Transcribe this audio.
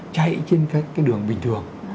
chạy trên cái đường bình thường